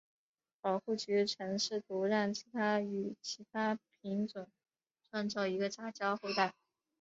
保护局曾试图让其与其它品种创造一个杂交后代。